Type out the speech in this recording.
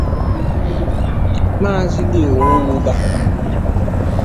Maazị Leo Nwuba